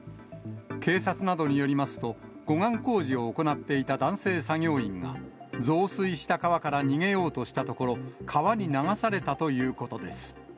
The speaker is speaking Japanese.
警察などによりますと、護岸工事を行っていた男性作業員が、増水した川から逃げようとしたところ、川に流されたということです。